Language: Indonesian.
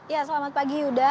ya selamat pagi yuda